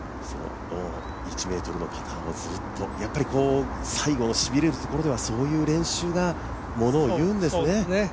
１ｍのパターをずっと、最後、しびれるところではそういう練習がものをいうんでしょうね。